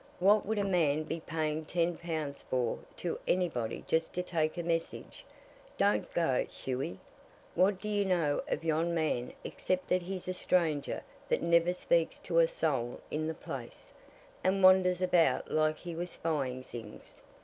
What would a man be paying ten pounds for to anybody just to take a message? Don't go, Hughie! What do you know of yon man except that he's a stranger that never speaks to a soul in the place, and wanders about like he was spying things?